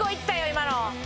今の。